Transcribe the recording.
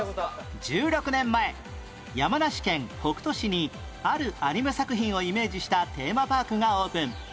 １６年前山梨県北杜市にあるアニメ作品をイメージしたテーマパークがオープン